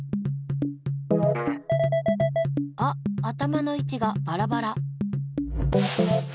あっ頭のいちがバラバラ。